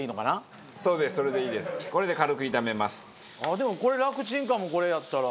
でも楽チンかもこれやったら。